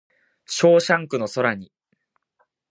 ショーシャンクの空に